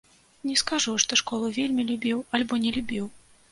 Не скажу, што школу вельмі любіў альбо не любіў.